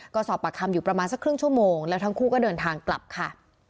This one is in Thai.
ก็สอบปากคำอยู่ประมาณสักครึ่งชั่วโมงแล้วทั้งคู่ก็เดินทางกลับค่ะ